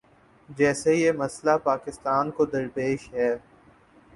جیسے یہ مسئلہ پاکستان کو درپیش ہے۔